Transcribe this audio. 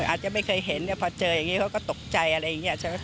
อาจจะไม่เคยเห็นพอเจออย่างนี้เขาก็ตกใจอะไรอย่างนี้ใช่ไหม